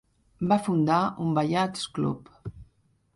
Va fundar un Ballads club.